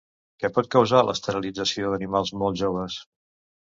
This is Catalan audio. Què pot causar l'esterilització d'animals molt joves?